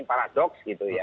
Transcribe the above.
paradoks gitu ya